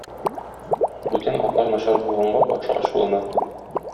Бүтән атлар начар булганга, патша ачулана.